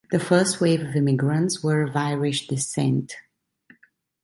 The first wave of immigrants were of Irish descent.